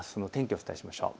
お伝えしましょう。